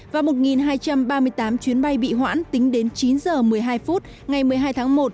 và một hai trăm ba mươi tám chuyến bay bị hoãn tính đến chín h một mươi hai phút ngày một mươi hai tháng một